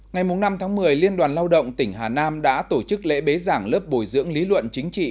ngày năm tháng một mươi liên đoàn lao động tỉnh hà nam đã tổ chức lễ bế giảng lớp bồi dưỡng lý luận chính trị